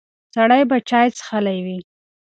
سړی به چای څښلی وي.